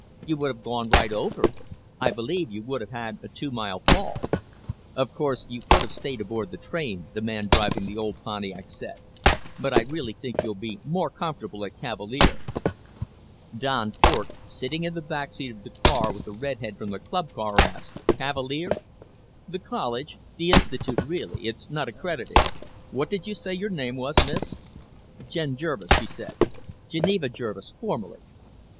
"You would have gone right over. I believe you would have had a two mile fall." "Of course you could have stayed aboard the train," the man driving the old Pontiac said, "but I really think you'll be more comfortable at Cavalier." Don Cort, sitting in the back seat of the car with the redhead from the club car, asked, "Cavalier?" "The college. The institute, really; it's not accredited. What did you say your name was, miss?" "Jen Jervis," she said. "Geneva Jervis, formally."